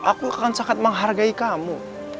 aku akan sangat menghargai kamu